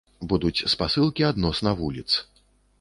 Будуць спасылкі адносна вуліц.